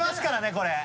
これ。